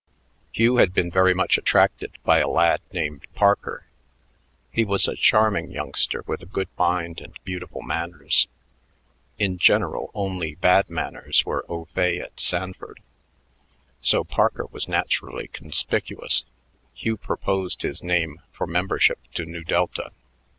Hugh had been very much attracted by a lad named Parker. He was a charming youngster with a good mind and beautiful manners. In general, only bad manners were au fait at Sanford; so Parker was naturally conspicuous. Hugh proposed his name for membership to Nu Delta.